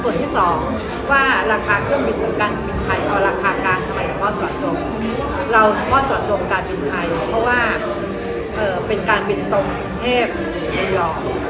เราชอบการบินไทยเพราะว่าเป็นการบินตรงกรุงเทพฯหรือเมือง